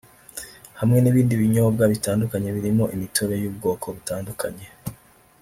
hamwe n’ibindi binyobwa bitandukanye birimo imitobe y’ubwoko butandukanye